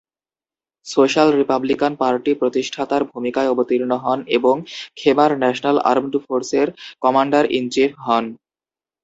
Social republican party প্রতিষ্ঠাতার ভূমিকায় অবতীর্ণ হন ও খেমার ন্যাশনাল আর্মড ফোর্সের কমান্ডার-ইন-চিফ হন।